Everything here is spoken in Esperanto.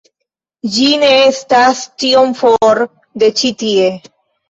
Ĝi ne estas tiom for de ĉi tie